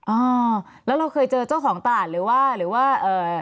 อ่าแล้วเราเคยเจอเจ้าของตลาดหรือว่าหรือว่าเอ่อ